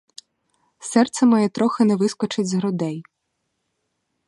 Серце моє трохи не вискочить з грудей.